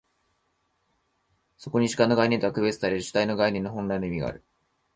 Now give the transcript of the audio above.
そこに主観の概念とは区別される主体の概念の本来の意味がある。